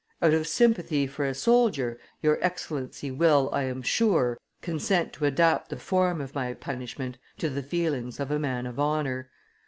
Out of sympathy for a soldier, your Excellency will, I am sure, consent to adapt the form of my punishment to the feelings of a man of honor.